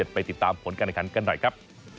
ไปติดตามผลการรายการกันหน่อยครับ